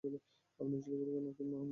আপনি, ওই ছেলেগুলো না-কি আমি?